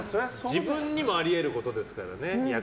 自分にもあり得ることですからね